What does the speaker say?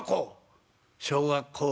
「小学校」。